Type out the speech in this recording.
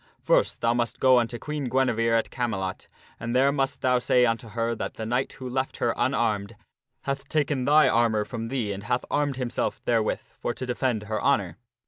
First thou must go unto Queen Guinevere at Camelot, and there must thou say unto her that the knight who left her unarmed hath taken thine armor from thee and hath armed himself therewith for to defend her honor.